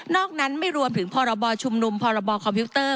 อกนั้นไม่รวมถึงพรบชุมนุมพรบคอมพิวเตอร์